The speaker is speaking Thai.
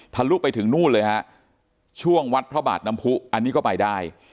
ลุไปถึงนู่นเลยฮะช่วงวัดพระบาทน้ำผู้อันนี้ก็ไปได้